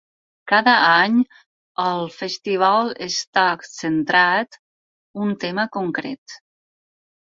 Cada any el festival està centrat un tema concret.